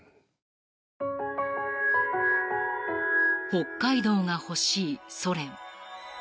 北海道が欲しいソ連。